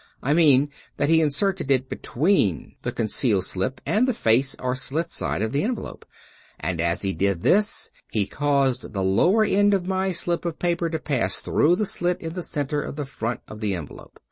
I mean that he inserted it between the concealed slip and the face or slit side of the envelope ; and as he did this ke caused the lower end of my slip of paper to pass through the slit in the center of the front of the envelope.